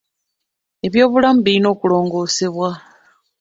Ebyobulamu birina okulongoosebwa.